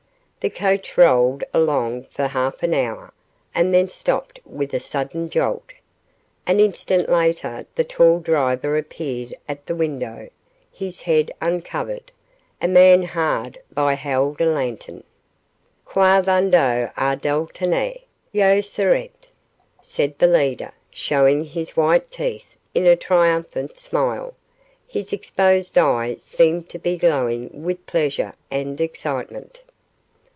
The coach rolled along for half an hour, and then stopped with a sudden jolt. An instant later the tall driver appeared at the window, his head uncovered. A man hard by held a lantern. "Qua vandos ar deltanet, yos serent," said the leader, showing his white teeth in a triumphant smile. His exposed eye seemed to be glowing with pleasure and excitement.